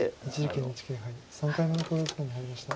一力ＮＨＫ杯３回目の考慮時間に入りました。